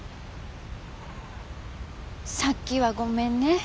さっきはごめんね。